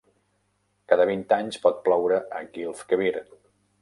Cada vint anys pot ploure a Gilf Kebir.